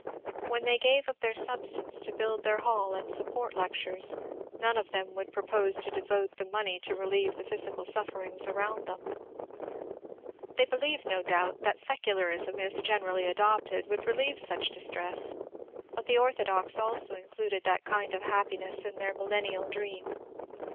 When they gave of their substance to build their haU and support lectures, none of them woidd propose to devote the money to relieve the physical sufferings around them. They believed no doubt that secularism if generally adopted would relieve such dis tress, but the orthodox also included that kind of happiness in their millennial dream.